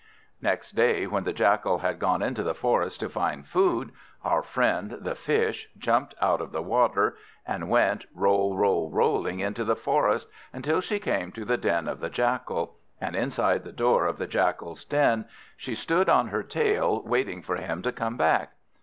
Next day, when the Jackal had gone into the forest to find food, our friend the Fish jumped out of the water, and went roll, roll, rolling into the forest, until she came to the den of the Jackal; and inside the door of the Jackal's den she stood on her tail, waiting for him to come back.